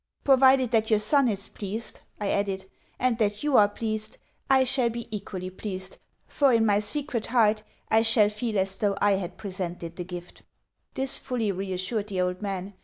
"Provided that your son is pleased," I added, "and that you are pleased, I shall be equally pleased, for in my secret heart I shall feel as though I had presented the gift." This fully reassured the old man.